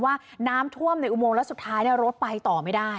ว่าน้ำท่วมในอุโมงแล้วสุดท้ายรถไปต่อไม่ได้